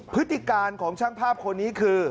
พฤติการของช่างภาพคนนี้คือ